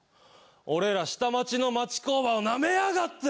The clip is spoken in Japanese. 俺ら下町の町工場をなめやがって！